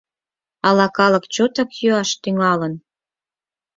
Ала калык чотак йӱаш тӱҥалын?